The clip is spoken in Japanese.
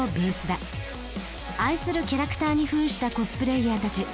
愛するキャラクターに扮したコスプレイヤーたち。